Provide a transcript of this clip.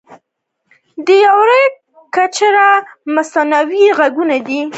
د یورین کلچر د مثانې عفونت ښيي.